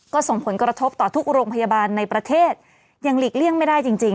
ก็ส่งผลกระทบต่อทุกโรงพยาบาลในประเทศยังหลีกเลี่ยงไม่ได้จริงจริง